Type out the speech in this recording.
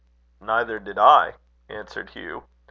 "Neither did I," answered Hugh.